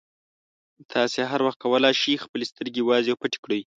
تاسې هر وخت کولای شئ خپلې سترګې وازې او پټې کړئ.